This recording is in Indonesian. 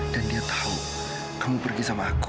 dan dia tahu kamu pergi sama aku